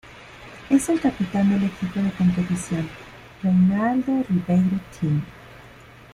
Es el capitán del equipo de competición Reinaldo Ribeiro Team.